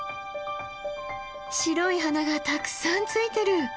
白い花がたくさんついてる！